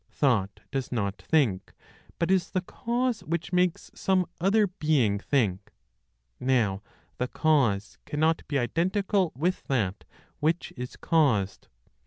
Thought does not think; but is the cause which makes some other being think; now the cause cannot be identical with that which is caused.